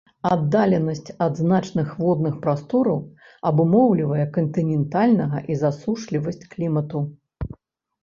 Аддаленасць ад значных водных прастор абумоўлівае кантынентальнага і засушлівасць клімату.